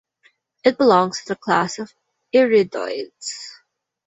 It belongs to the class of iridoids.